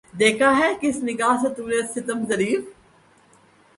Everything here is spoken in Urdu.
دیکھا ہے کس نگاہ سے تو نے ستم ظریف